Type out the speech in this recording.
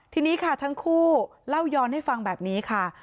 ทีนี้ค่ะทั้งคู่เล่าย้อนให้ฟังแบบนี้ค่ะ